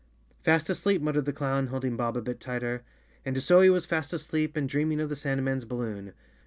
"Fast asleep," muttered the clown, holding Bob a bit tighter. And so he was fast asleep and dreaming of the sandman's balloon.